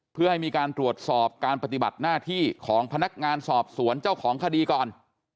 เพื่อให้มีการตรวจสอบการปฏิบัติหน้าที่ของพนักงานสอบสวนเจ้าของคดีก่อน